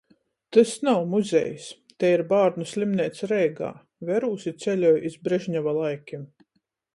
Tys nav muzejs, tei ir bārnu slimneica Reigā. Verūs i ceļoju iz Brežneva laikim.